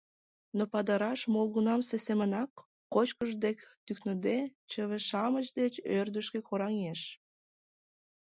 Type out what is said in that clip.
Но Падыраш молгунамсе семынак, кочкыш дек тӱкныде, чыве-шамыч деч ӧрдыжкӧ кораҥеш.